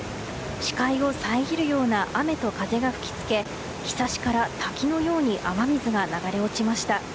視界を遮るような雨と風が吹き付けひさしから滝のように雨水が流れ落ちました。